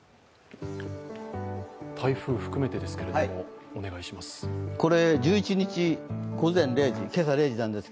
台風含めてですけれども、お願いします。